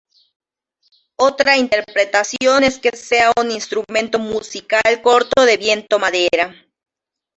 Otra interpretación es que sea un instrumento musical corto de viento-madera.